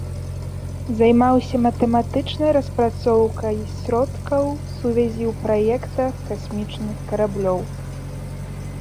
Займаўся матэматычнай распрацоўкай сродкаў сувязі ў праектах касмічных караблёў.